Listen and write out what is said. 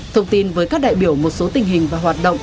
thông tin với các đại biểu một số tình hình và hoạt động